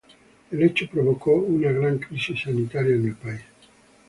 El hecho provocó una gran crisis sanitaria en el país.